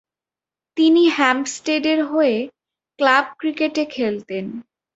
তিনি হ্যাম্পস্টেডের হয়ে ক্লাব ক্রিকেটে খেলতেন।